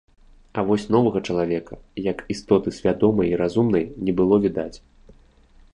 А вось новага чалавека, як істоты свядомай і разумнай, не было відаць.